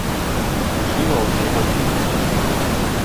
Ішлі ва ўсе бакі людзі.